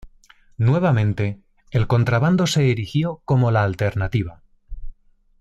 Nuevamente, el contrabando se erigió como la alternativa.